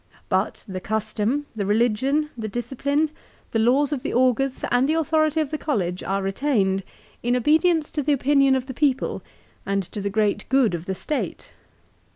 But the custom, the religion, the discipline, the laws of the augurs and the authority of the college, are retained, in obedience to the opinion of the people, and to the great good of the State.